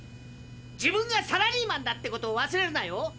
自分がサラリーマンだってことを忘れるなよ。